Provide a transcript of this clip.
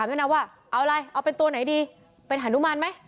เอาอะไรเอาเป็นตัวไหนดีเป็นฮนุมันไหม